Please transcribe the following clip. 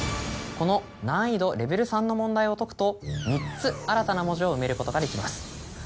この難易度レベル３の問題を解くと３つ新たな文字を埋めることができます。